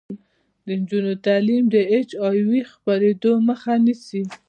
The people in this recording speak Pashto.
د نجونو تعلیم د اچ آی وي خپریدو مخه نیسي.